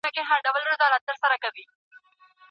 ه لوړ سر او پیاوړي ګام.